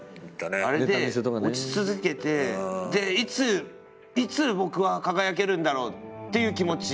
あれで落ち続けていついつ僕は輝けるんだろうっていう気持ち。